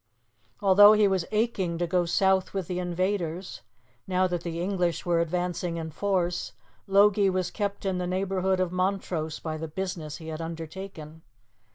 Although he was aching to go south with the invaders, now that the English were advancing in force, Logie was kept in the neighbourhood of Montrose by the business he had undertaken.